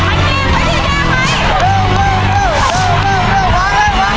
ไม่เคยสังเจตอ่ะแต่รู้ว่าเป็นรูปสัตว์